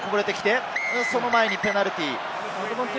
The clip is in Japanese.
その前にペナルティー。